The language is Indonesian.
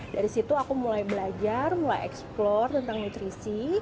dari situ aku mulai belajar mulai eksplor tentang nutrisi